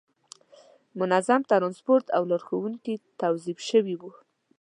منظم ترانسپورت او لارښوونکي توظیف شوي وو.